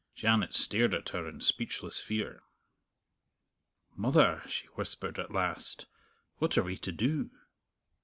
Janet stared at her in speechless fear. "Mother," she whispered at last, "what are we to do?"